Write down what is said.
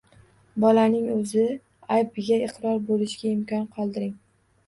Bolaning o‘zi aybiga iqror bo‘lishiga imkon qoldiring.